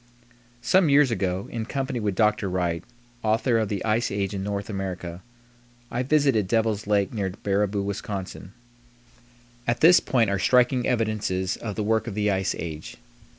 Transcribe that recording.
Some years ago, in company with Dr. Wright, author of the "Ice Age in North America," I visited Devil's Lake near Baraboo, Wis. At this point are striking evidences of the work of the ice age.